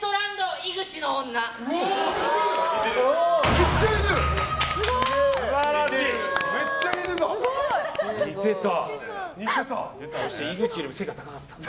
井口よりも背が高かった。